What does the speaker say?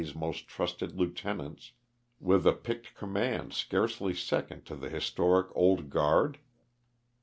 's most trusted lieutenants, with a picked command, scarcely second to the historic Old Guard?